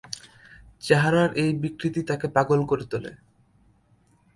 চেহারার এই বিকৃতি তাকে পাগল করে তোলে।